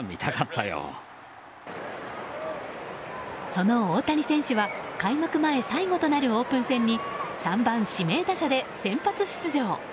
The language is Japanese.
その大谷選手は開幕前最後となるオープン戦に３番指名打者で先発出場。